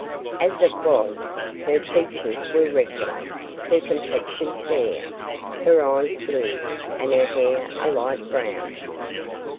As it was, her features were regular, her complexion fair, her eyes blue, and her hair a light brown.